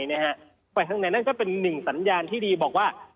เข้าไปข้างในนั่นก็เป็น๑สัญญาณที่ดีบอกว่า